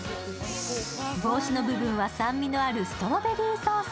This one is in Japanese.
帽子の部分は酸味のあるストロベリーソース。